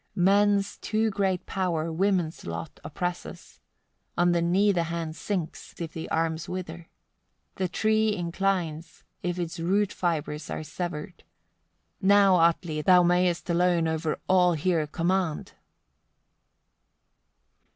69. Men's too great power women's lot oppresses; on the knee the hand sinks, if the arms wither; the tree inclines, if its root fibres are severed. Now, Atli! thou mayest alone over all here command.